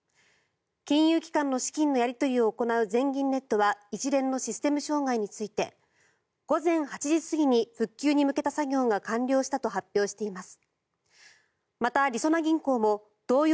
金融機関の資金のやり取りを行う全銀ネットは一連のシステム障害について午前８時過ぎに復旧に向けた作業が完了したと発表しています。